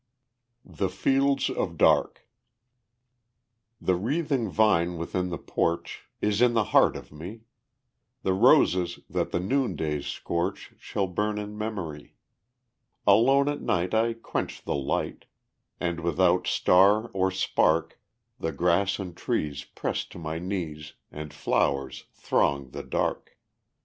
The Fields of Dark The wreathing vine within the porch Is in the heart of me, The roses that the noondays scorch Shall burn in memory; Alone at night I quench the light, And without star or spark The grass and trees press to my knees, And flowers throng the dark.